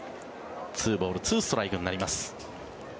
２ボール２ストライクになります。